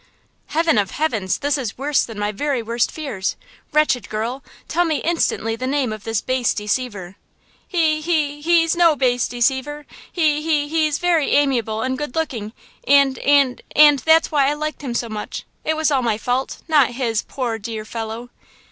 "Heaven of heavens! this is worse than my very worst fears! Wretched girl! Tell me instantly the name of this base deceiver!" "He–he–he's no base deceiver; he–he–he's very amiable and good looking; and–and–and that's why I liked him so much; it was all my fault, not his, poor, dear fellow!"